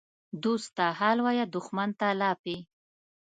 دوست ته حال وایه، دښمن ته لاپې.